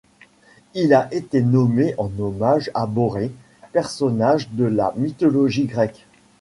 Il a été nommé en hommage à Borée, personnage de la mythologie grecque.